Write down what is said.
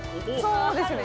そうですね。